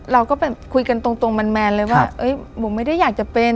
เราก็ไปคุยกันตรงแมนเลยว่าผมไม่ได้อยากจะเป็น